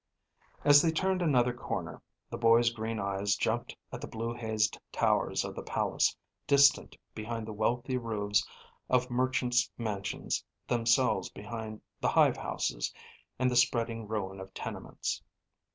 As they turned another corner, the boy's green eyes jumped at the blue hazed towers of the palace, distant behind the wealthy roofs of merchants' mansions, themselves behind the hive houses and the spreading ruin of tenements.